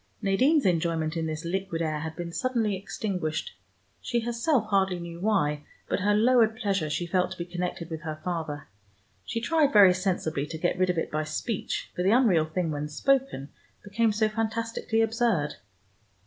Nadine's enjoyment in this liquid air had been suddenly extinguished. She herself hardly knew why, but her lowered pleasure she felt to be connected with her father. She tried, very sensibly, to get rid of it by speech, for the unreal thing when spoken, became so fantastically absurd.